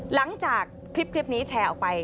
หลังจากคลิปนี้แชร์ออกไป